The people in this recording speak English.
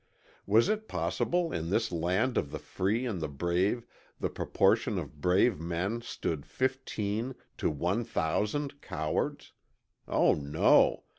Was it possible that in this land of the free and the brave the proportion of brave men stood fifteen to one thousand cowards? Oh no!